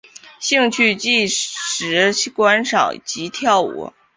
兴趣是即时观赏及跳舞。